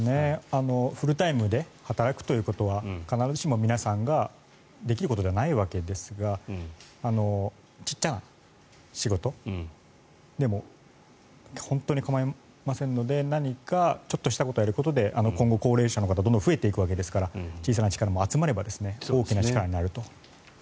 フルタイムで働くということは必ずしも皆さんができることではないわけですが小さな仕事でも本当に構いませんので何かちょっとしたことをやることで今後、高齢者の方どんどん増えていくわけですから小さな力も集まれば大きな力になると。